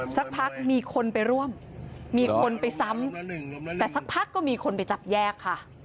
สักพักมีคนไปร่วมมีคนไปซ้ำแต่สักพักก็มีคนไปจับแยกค่ะ